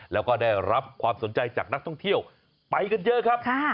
แล้วก็ได้รับความสนใจจากนักท่องเที่ยวไปกันเยอะครับ